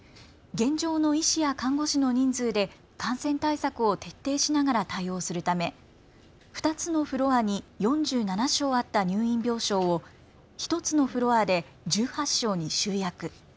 現状の医師や看護師の人数で感染対策を徹底しながら対応するため２つのフロアに４７床あった入院病床を１つのフロアで１８床に集約。